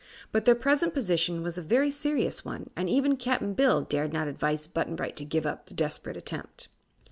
But their present position was a very serious one and even Cap'n Bill dared not advise Button Bright to give up the desperate attempt.